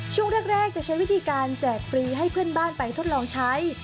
ช่วงแรกจะใช้วิธีการแจกฟรีให้เพื่อนบ้านไปทดลองใช้